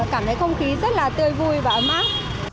cảm thấy không khí rất là tươi vui và ấm áp